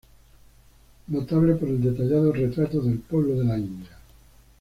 Notable por el detallado retrato del pueblo de la India.